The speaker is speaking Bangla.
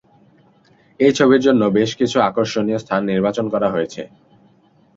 এই ছবির জন্য বেশকিছু আকর্ষণীয় স্থান নির্বাচন করা হয়েছে।